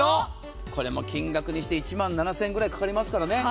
これも金額にして１万７０００円ぐらいかかりますからね。